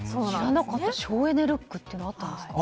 省エネルックってあったんですか。